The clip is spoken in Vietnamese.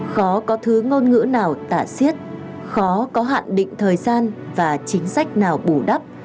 khó có thứ ngôn ngữ nào tả xiết khó có hạn định thời gian và chính sách nào bù đắp